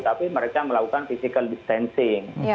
tapi mereka melakukanpps statistical distancing